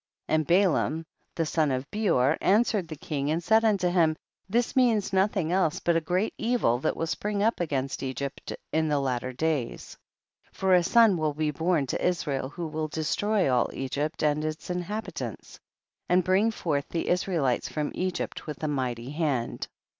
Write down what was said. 18. And Balaam the son of Beor answered the king and said unto hiro, this means nothing else but a great evil that will spring up against Egypt in the latter days. 19. For a son will be born to Is rael wlio will destroy all Egypt and its inhabitants, and bring forth the Israelites from Egypt with a mighty hand.